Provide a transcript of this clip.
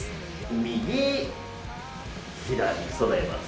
右左そろえます。